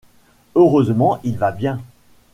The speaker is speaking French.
Heureusement il va bien.